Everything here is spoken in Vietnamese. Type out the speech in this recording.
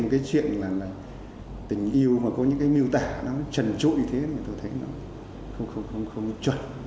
cái chuyện là tình yêu mà có những cái miêu tả nó trần trội thế thì tôi thấy nó không chuẩn